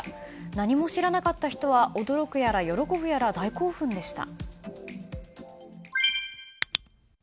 何も知らなかった人は驚くやら喜ぶやら大興奮でした。